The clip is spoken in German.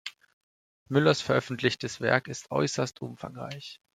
Muellers veröffentlichtes Werk ist äußerst umfangreich.